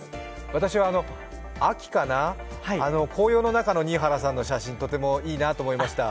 私は秋かな、紅葉の中の新原さんの写真、とてもいいなと思いました。